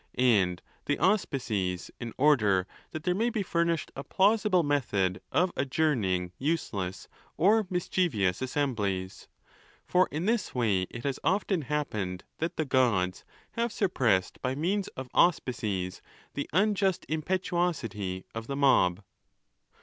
And the aus . pices, in order that there may be furnished a plausible method of adjourning useless or mischievous assemblies. For in this way it has often happened that the Gods have suppressed by means of auspices the unjust impetuosity of the mob.